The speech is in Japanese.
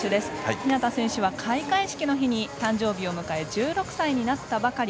日向選手は開会式の日に誕生日を迎え１６歳になったばかり。